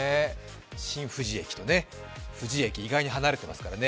新富士駅と富士駅、意外に離れてますからね。